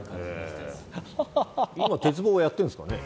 今、鉄棒はやってるんですかね？